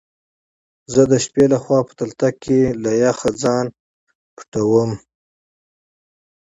زه دشبی له خوا په تلتک کی له يخ ځخه ځان پټوم